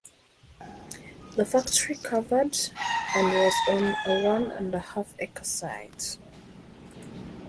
The factory covered and was on a one and a half acre site.